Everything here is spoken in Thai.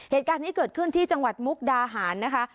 เหตุการณ์นี้เกิดขึ้นที่จังหวัดมุกดาหารนะคะ